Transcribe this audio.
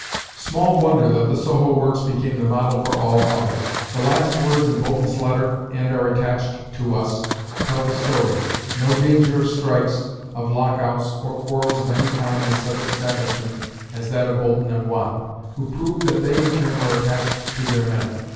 Small wonder that the Soho works became the model for all others. The last words in Boulton's letter, "and are attached to us," tell the story. No danger of strikes, of lockouts, or quarrels of any kind in such establishments as that of Boulton and Watt, who proved that they in turn were attached to their men.